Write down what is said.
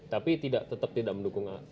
tapi tetap tidak mendukung ahok